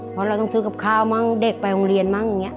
เพราะเราต้องซื้อกับข้าวมั้งเด็กไปโรงเรียนมั้งอย่างนี้